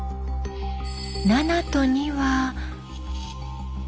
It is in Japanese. ７と２は。